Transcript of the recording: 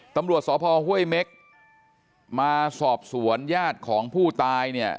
ตำรวจสพห้วยเม็กมาสอบสวนญาติของผู้ตายเนี่ย